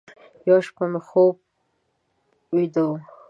یوه شپه مې خوب ویده و،